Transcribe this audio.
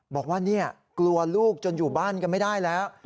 บอกว่าเนี่ยกลัวลูกจนอยู่บ้านกันไม่ได้แล้ว